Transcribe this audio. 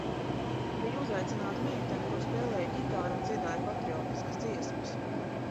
Bija uzaicināta meitene, kura spēlēja ģitāru un dziedāja patriotiskas dziesmas.